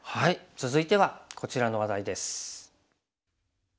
続いてはこちらの話題です。